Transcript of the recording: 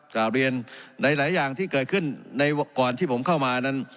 กลับเรียนในหลายอย่างที่เกิดขึ้นในก่อนที่ผมเข้ามานั้น